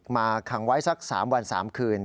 มาขังไว้สัก๓วัน๓คืน